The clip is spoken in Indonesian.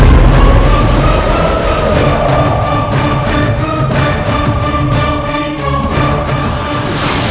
dari jurus ini